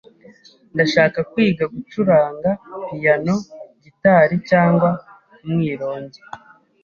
Ndashaka kwiga gucuranga piyano, gitari cyangwa umwironge.